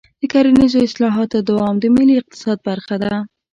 د کرنیزو اصلاحاتو دوام د ملي اقتصاد برخه ده.